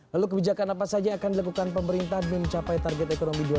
lalu kebijakan apa saja yang akan dilakukan pemerintah demi mencapai target ekonomi dua ribu dua puluh